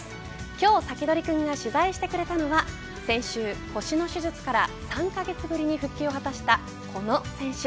今日サキドリくんが取材してくれたのは先週腰の手術から３カ月ぶりに復帰を果たしたこの選手。